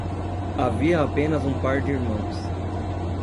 Havia apenas um par de irmãos.